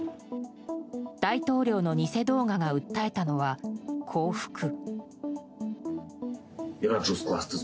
大統領の偽動画が訴えたのは降伏。